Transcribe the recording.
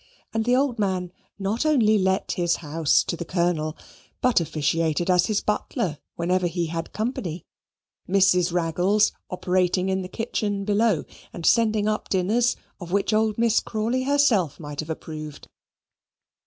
And the old man not only let his house to the Colonel but officiated as his butler whenever he had company; Mrs. Raggles operating in the kitchen below and sending up dinners of which old Miss Crawley herself might have approved.